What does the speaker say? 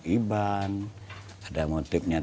iban ada motifnya